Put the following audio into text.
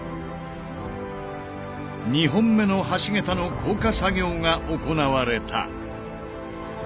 ２本目の橋桁の降下作業が行われた。